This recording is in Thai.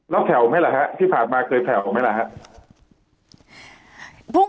แล้วแผ่วไหมละครับที่ผ่านมาเกิดแผ่วไหมละครับ